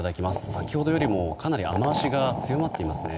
先ほどよりも雨脚が強まっていますね。